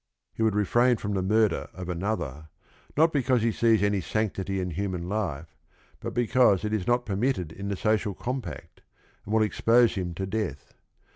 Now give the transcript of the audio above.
He would refrain from the murder of another not because he sees any sanctity in human life, but because it is not permitted in the social compact and will expose him to death.